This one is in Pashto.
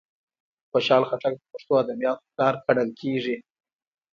خوشال خټک د پښتو ادبیاتوپلار کڼل کیږي.